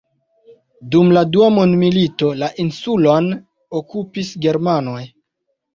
Dum la dua mondmilito, la insulon okupis germanoj.